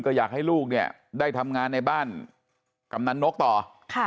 ก็อยากให้ลูกเนี่ยได้ทำงานในบ้านกำนันนกต่อ